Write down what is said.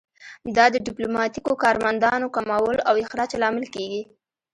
دا د ډیپلوماتیکو کارمندانو کمولو او اخراج لامل کیږي